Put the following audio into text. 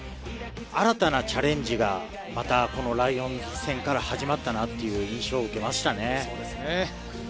新たなチャレンジがまたライオンズ戦から始まったなという印象を受けましたね。